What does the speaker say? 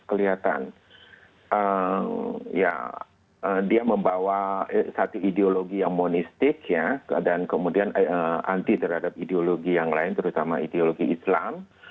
kelihatan ya dia membawa satu ideologi yang monistik dan kemudian anti terhadap ideologi yang lain terutama ideologi islam